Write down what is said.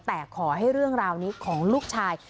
แต่ขอให้เรื่องราวนี้ของลูกชาย